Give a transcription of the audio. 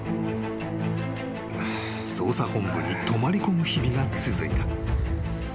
［捜査本部に泊まり込む日々が続いた］